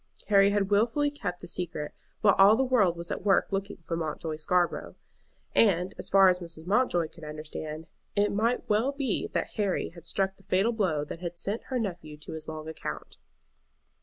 Harry had wilfully kept the secret while all the world was at work looking for Mountjoy Scarborough; and, as far as Mrs. Mountjoy could understand, it might well be that Harry had struck the fatal blow that had sent her nephew to his long account.